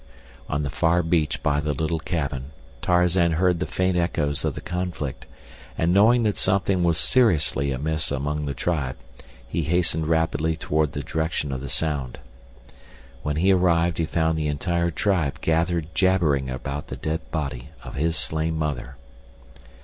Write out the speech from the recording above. On the far beach by the little cabin Tarzan heard the faint echoes of the conflict and knowing that something was seriously amiss among the tribe he hastened rapidly toward the direction of the sound. When he arrived he found the entire tribe gathered jabbering about the dead body of his slain mother.